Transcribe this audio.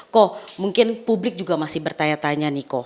ko mungkin publik juga masih bertanya tanya niko